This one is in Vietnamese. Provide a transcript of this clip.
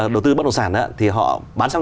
đầu tư bất động sản thì họ bán xong